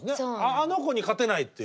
あの娘に勝てないっていう。